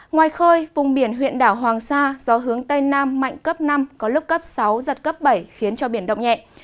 ngoài khơi vùng biển huyện đảo hoàng sa gió hướng tây nam mạnh cấp năm có lúc cấp sáu giật cấp bảy khiến cho biển động nhẹ